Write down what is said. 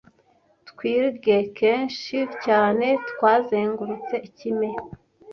Twilight kenshi cyane twazengurutse ikime,